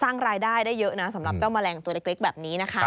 สร้างรายได้ได้เยอะนะสำหรับเจ้าแมลงตัวเล็กแบบนี้นะคะ